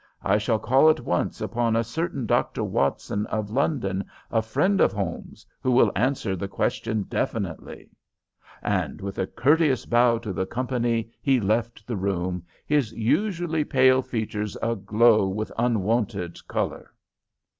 I shall call at once upon a certain Dr. Watson, of London, a friend of Holmes's, who will answer the question definitely.' "And with a courteous bow to the company he left the room, his usually pale features aglow with unwonted color."